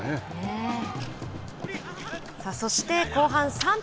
そして、後半３分。